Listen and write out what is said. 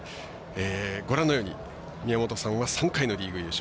ご覧のように宮本さんは３回のリーグ優勝。